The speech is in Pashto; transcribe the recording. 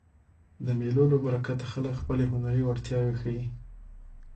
د مېلو له برکته خلک خپلي هنري وړتیاوي ښيي.